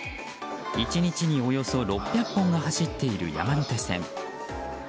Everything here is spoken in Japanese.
１日に、およそ６００本が走っている山手線。